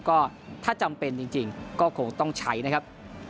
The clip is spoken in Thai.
ก็ถ้าจำเป็นจริงก็คงต้องใช้นะครับ